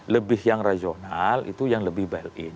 lebih yang regional itu yang lebih buil in